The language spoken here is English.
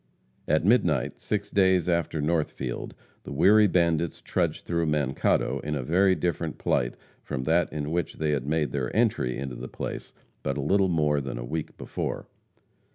At midnight, six days after Northfield, the weary bandits trudged through Mankato in a very different plight from that in which they had made their entry into the place but a little more than a week before.